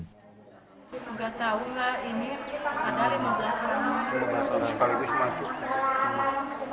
tidak tahu ini ada lima belas orang